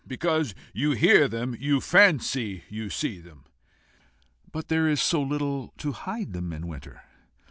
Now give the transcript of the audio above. Because you hear them you fancy you see them." "But there is so little to hide them in winter."